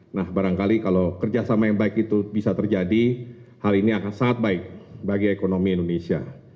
nah barangkali kalau kerjasama yang baik itu bisa terjadi hal ini akan sangat baik bagi ekonomi indonesia